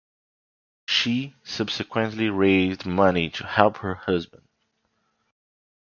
She subsequently raised money to help her husband.